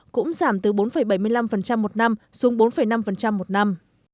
cũng giảm từ bốn bảy mươi năm một năm xuống bốn năm một năm